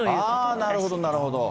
なるほど、なるほど。